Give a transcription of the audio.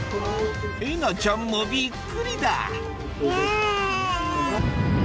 えなちゃんもびっくりだあぁ。